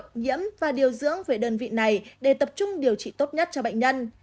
nhiễm và điều dưỡng về đơn vị này để tập trung điều trị tốt nhất cho bệnh nhân